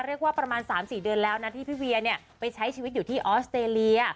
เรียกว่าประมาณสามสี่เดือนแล้วนะที่พี่เวียนเนี่ยไปใช้ชีวิตอยู่ที่ออสเตรเลีย